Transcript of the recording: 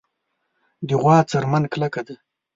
د غوا څرمن کلکه ده.